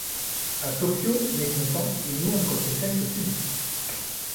À Tokyo, mécontent, il montre ses fesses au public.